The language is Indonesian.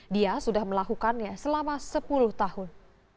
dia sudah melakukannya selama sepuluh tahun